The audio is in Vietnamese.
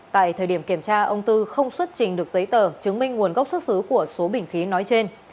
tại thời điểm kiểm tra ông tư không xuất trình được giấy tờ chứng minh nguồn gốc xuất xứ của số bình khí nói trên